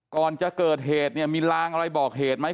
ก่อนจะเกิดเหตุเนี่ยมีลางอะไรบอกเหตุไหม